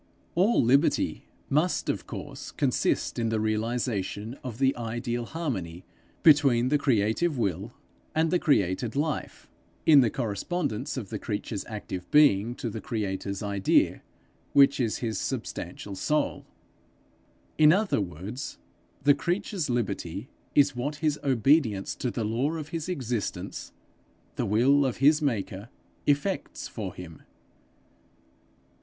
All liberty must of course consist in the realization of the ideal harmony between the creative will and the created life; in the correspondence of the creature's active being to the creator's idea, which is his substantial soul. In other words the creature's liberty is what his obedience to the law of his existence, the will of his maker, effects for him.